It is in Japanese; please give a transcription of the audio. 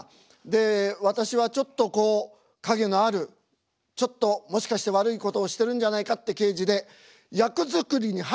で私はちょっとこう陰のあるちょっともしかして悪いことをしてるんじゃないかって刑事で役作りに入りたかったんです。